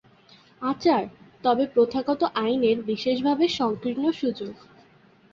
আচার, তবে, প্রথাগত আইনের বিশেষভাবে সংকীর্ণ সুযোগ।